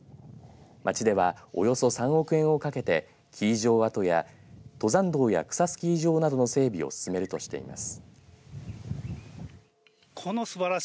町ではおよそ３億円をかけて基肄城跡や登山道や草スキー場などの整備を進めるとしています。